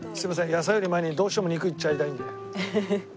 野菜より前にどうしても肉いっちゃいたいんで。